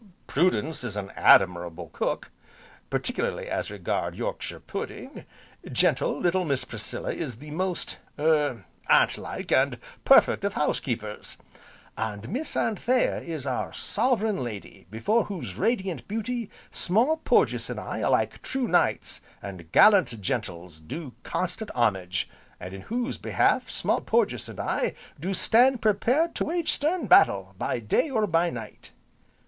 Prudence is an admirable cook, particularly as regard Yorkshire Pudding; gentle, little Miss Priscilla is the most er Aunt like, and perfect of housekeepers; and Miss Anthea is our sovereign lady, before whose radiant beauty, Small Porges and I like true knights, and gallant gentles, do constant homage, and in whose behalf Small Porges and I do stand prepared to wage stern battle, by day, or by night."